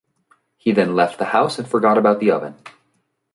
He then left the house and forgot about the oven.